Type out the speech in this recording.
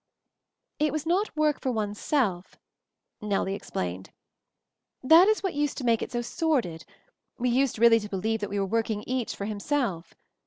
"It was not work for oneself," Nellie ex plained. "That is what used to make it so sordid; we used really to believe that we were working each for himself.